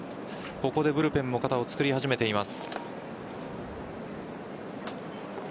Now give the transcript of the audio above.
ここでブルペンも肩を作り始めています。